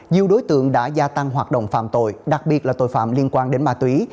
nhiều đối tượng đã gia tăng hoạt động phạm tội đặc biệt là tội phạm liên quan đến ma túy